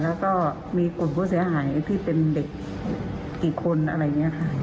แล้วก็มีกลุ่มผู้เสียหายที่เป็นเด็กกี่คนอะไรอย่างนี้ค่ะ